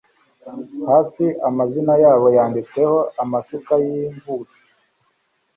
hasi amazina yabo yanditsweho amasuka yimvura